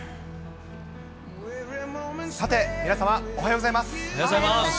さて、皆様おはようございます。